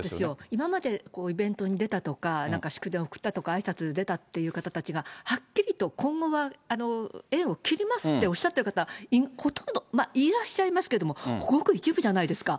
今までイベントに出たとか、なんか祝電を送ったとか、あいさつに出たって方たちが、はっきりと今後は縁を切りますっておっしゃっている方、ほとんど、いらっしゃいますけれども、ごく一部じゃないですか。